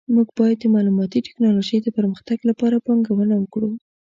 موږ باید د معلوماتي ټکنالوژۍ د پرمختګ لپاره پانګونه وکړو